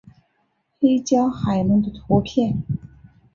黑胶海龙的图片